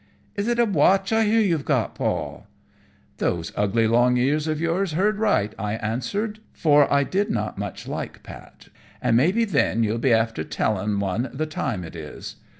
"Is it a watch I hear you've got, Paul?" "Those ugly long ears of yours heard right," I answered, for I did not much like Pat. "And may be then you'll be after telling one the time it is."